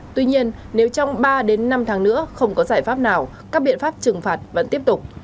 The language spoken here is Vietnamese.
tuy nhiên nếu trong ba đến năm tháng nữa không có giải pháp nào các biện pháp trừng phạt vẫn tiếp tục